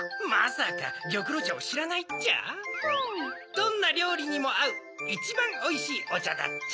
どんなりょうりにもあういちばんおいしいおちゃだっちゃ。